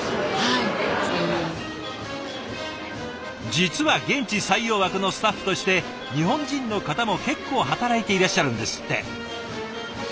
実は現地採用枠のスタッフとして日本人の方も結構働いていらっしゃるんですって。